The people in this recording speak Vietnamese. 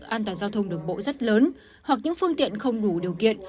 an toàn giao thông đường bộ rất lớn hoặc những phương tiện không đủ điều kiện